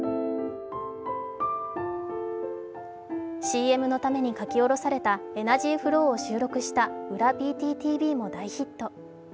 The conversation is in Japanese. ＣＭのために書き下ろされた「エナジー・フロー」を収録した「ウラＢＴＴＢ」も大ヒット。